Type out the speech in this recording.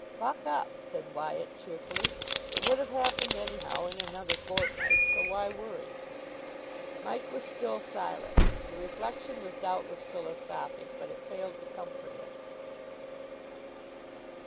"Buck up," said Wyatt cheerfully. "It would have happened anyhow in another fortnight. So why worry?" Mike was still silent. The reflection was doubtless philosophic, but it failed to comfort him.